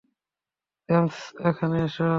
James, এখানে এসো।